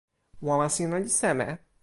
wawa sina li seme?